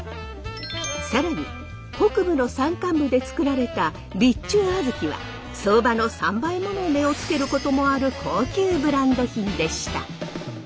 更に北部の山間部で作られた備中小豆は相場の３倍もの値を付けることもある高級ブランド品でした。